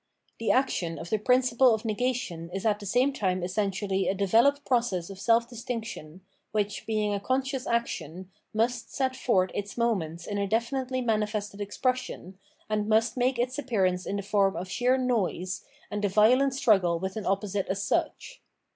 The action of the principle of negation is at the same time essentially a developed process of self distinction, which, being a conscious action, must set forth its moments in a definitely manifested expression, and must make its appearance in the form of sheer noise, and a violent struggle with an opposite as such.